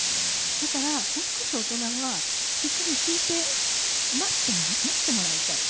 だからもう少し大人はしっかり聞いて待ってもらいたい。